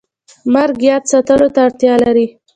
مرګ یاد ساتلو ته اړتیا لري